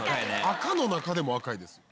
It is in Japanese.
赤の中でも赤いですよ。